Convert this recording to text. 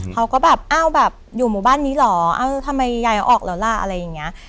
เขาก็แบบอ้าวแบบอยู่หมู่บ้านนี้เหรอเอ้าทำไมยายเอาออกแล้วล่ะอะไรอย่างนี้